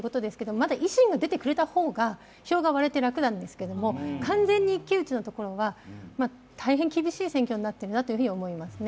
まだ維新が出てくれた方が票が割れて楽なんですけど完全に一騎打ちのところは大変、厳しい選挙になっていると思います。